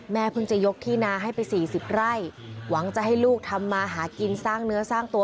เพิ่งจะยกที่นาให้ไปสี่สิบไร่หวังจะให้ลูกทำมาหากินสร้างเนื้อสร้างตัว